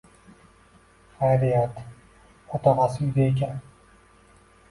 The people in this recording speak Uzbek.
Xayriyat, o‘tog‘asi uyda ekan